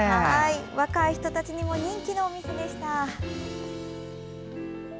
若い人たちにも人気のお店でした。